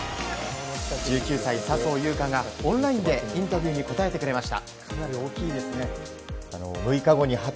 １９歳、笹生優花がオンラインでインタビューに答えてくれました。